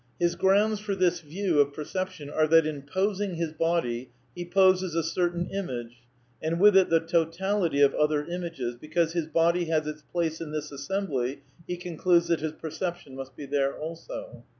His grounds for this view of perception are that in " posing " his body he " poses " a " certain image " and with it " the totality of other images "; because his body has its place in this assembly he concludes that his perception must be there also.